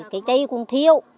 cây cây cũng thiếu